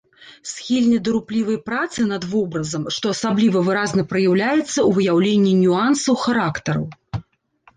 Схільны да руплівай працы над вобразам, што асабліва выразна праяўляецца ў выяўленні нюансаў характараў.